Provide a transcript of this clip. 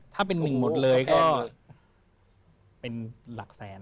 ถ้าเป็น๑หมวดเลยก็เป็นหลักแสน